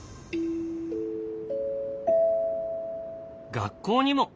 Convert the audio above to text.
学校にも。